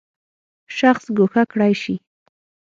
شخص ګوښه کړی شي.